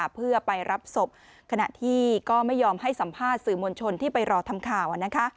เพื่อไปรับศพขณะที่ก็ไม่ยอมให้สัมภาษณ์สื่อมวลชนที่ไปรอทำข่าวนะคะ